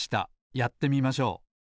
やってみましょう。